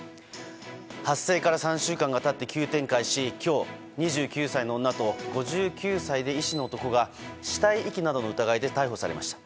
発生から３週間が経って急展開し今日、２９歳の女と５９歳で医師の男が死体遺棄などの疑いで逮捕されました。